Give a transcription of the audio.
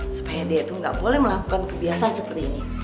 supaya dia tuh gak boleh melakukan kebiasaan seperti ini